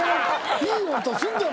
・いい音すんだ